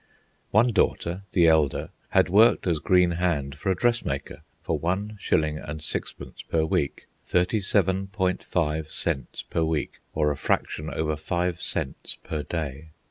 One daughter, the elder, had worked as green hand for a dressmaker, for one shilling and sixpence per week—37.5 cents per week, or a fraction over 5 cents per day.